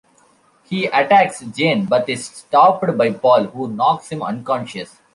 He attacks Jane but is stopped by Paul, who knocks him unconscious.